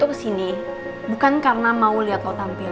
gue kesini bukan karena mau liat kita tampil